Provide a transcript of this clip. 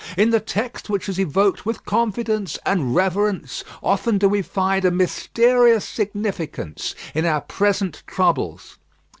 In the text which is evoked with confidence and reverence, often do we find a mysterious significance in our present troubles.